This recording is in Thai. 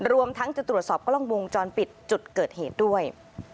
รวมทั้งจะตรวจสอบกล้องวงจรปิดจุดเกิดเหตุด้วย